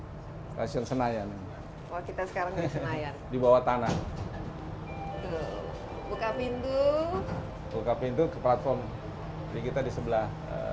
stasiun senayan wah kita sekarang di senayan di bawah tanah buka pintu buka pintu ke platform jadi kita di sebelah